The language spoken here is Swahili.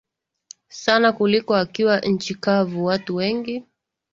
sana kuliko akiwa nchi kavu Watu wengi